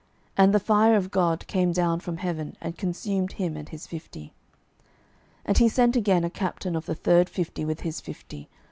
And the fire of God came down from heaven, and consumed him and his fifty. 12:001:013 And he sent again a captain of the third fifty with his fifty.